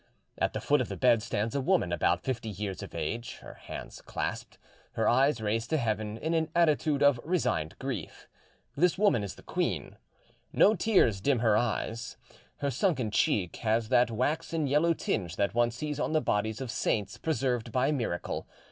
At the foot of the bed stands a woman about fifty years of age, her hands clasped, her eyes raised to heaven, in an attitude of resigned grief: this woman is the queen, No tears dim her eyes: her sunken cheek has that waxen yellow tinge that one sees on the bodies of saints preserved by miracle.